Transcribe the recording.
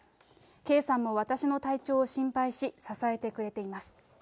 圭さんも私の体調を心配し、支えてくれています。